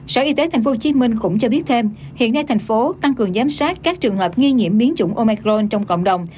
sở y tế tp hcm cũng cho biết thêm hiện nay thành phố tăng cường giám sát các trường hợp nghi nhiễm biến chủng omicron trong cộng đồng